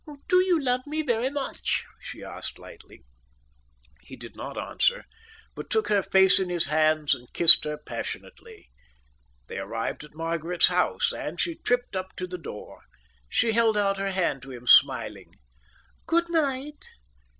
"Do you love me very much?" she asked, lightly. He did not answer, but took her face in his hands and kissed her passionately. They arrived at Margaret's house, and she tripped up to the door. She held out her hand to him, smiling. "Goodnight."